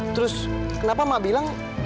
terus kenapa mak bilang